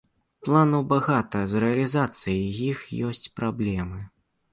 Планаў багата, з рэалізацыяй іх ёсць праблемы.